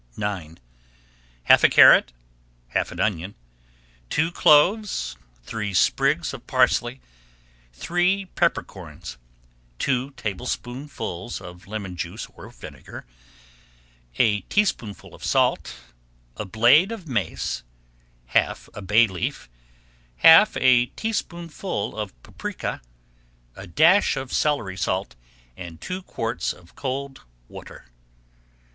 IX Half a carrot, half an onion, two cloves, three sprigs of parsley, three pepper corns, two tablespoonfuls of lemon juice or vinegar, a teaspoonful of salt, a blade of mace, half a bay leaf, half a teaspoonful of paprika, a dash of celery salt, and two quarts of cold water.